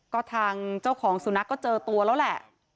ก็ทางเจ้าของสุนัขก็เจอตัวแล้วแหละ